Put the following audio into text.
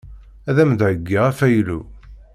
Ad am-d-heyyiɣ afaylu.